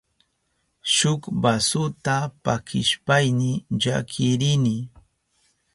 Shuk basuta pakishpayni llakirini.